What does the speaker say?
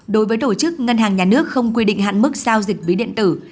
đối với tổ chức ngân hàng nhà nước không quy định hạn mức giao dịch ví điện tử